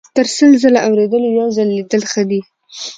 - تر سل ځل اوریدلو یو ځل لیدل ښه دي.